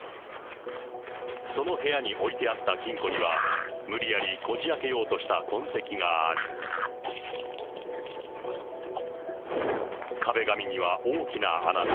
その部屋に置いてあった金庫には、無理やりこじあけようとした痕跡があり、壁紙には大きな穴が。